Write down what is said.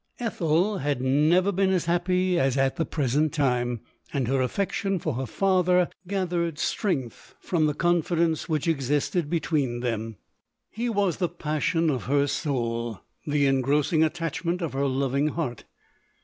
Ethel had never been as happy as at the pre sent time, and her affection for her father gathered strength from the confidence which existed between them. He was the passion of her soul, the engrossing attachment of her lov ing heart.